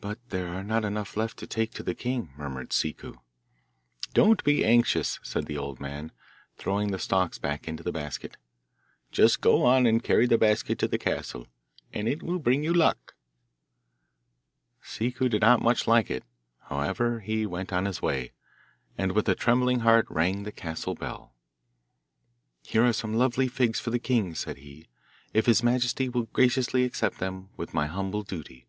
'But there are not enough left to take to the king,' murmured Ciccu. 'Don't be anxious,' said the old man, throwing the stalks back into the basket; 'just go on and carry the basket to the castle, and it will bring you luck.' Ciccu did not much like it; however he went on his way, and with a trembling heart rang the castle bell. 'Here are some lovely figs for the king,' said he, 'if his majesty will graciously accept them with my humble duty.